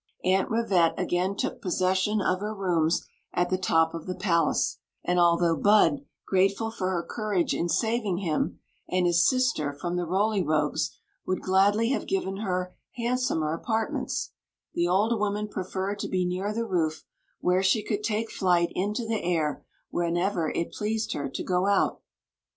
Aunt Rivette again took possession of her rooms at the top of the palace ; and although Bud, grateful for her courage in saving him and his sister from the Roly Rogues* would gladly have given her hand somer apartments, the old woman preferred to be near the roof, where she could take flight into the air whenever it pleased her to go out.